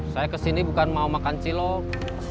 saya kesini bukan mau makan cilok